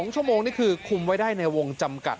๒ชั่วโมงนี่คือคุมไว้ได้ในวงจำกัด